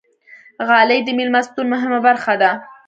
غالۍ د میلمستون مهمه برخه ده.